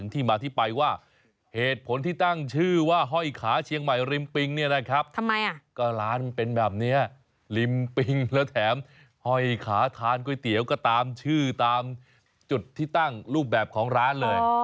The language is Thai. ทำไมร้านเป็นแบบนี้ริมปิงแล้วแถมหอยขาทานก๋วยเตี๋ยวก็ตามชื่อตามจุดที่ตั้งรูปแบบของร้านเลย